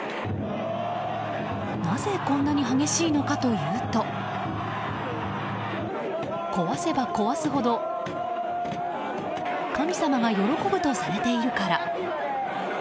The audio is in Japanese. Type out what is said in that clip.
なぜこんなに激しいのかというと壊せば壊すほど神様が喜ぶとされているから。